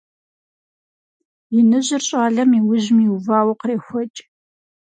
Иныжьыр щӀалэм и ужьым иувауэ кърехуэкӀ.